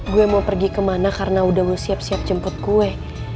gue mau pergi kemana karena udah mau siap siap jemput kue